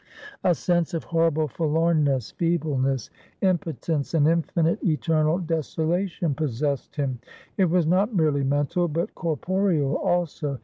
A sense of horrible forlornness, feebleness, impotence, and infinite, eternal desolation possessed him. It was not merely mental, but corporeal also.